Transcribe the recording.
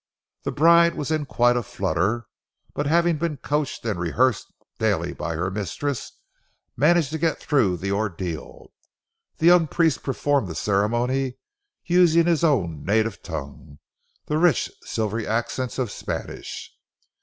The bride was in quite a flutter, but having been coached and rehearsed daily by her mistress, managed to get through the ordeal. The young priest performed the ceremony, using his own native tongue, the rich, silvery accents of Spanish.